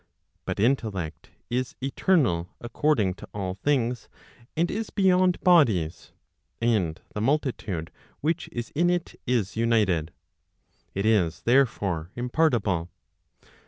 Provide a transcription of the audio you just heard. But intellect is eternal according to all things, and is beyond bodies, and the multitude which is in it is united. It is, therefore, impartible.